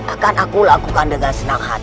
akan aku lakukan dengan senang hati